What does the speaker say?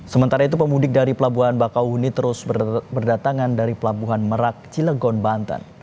sementara itu pemudik dari pelabuhan bakau huni terus berdatangan dari pelabuhan merak cilegon banten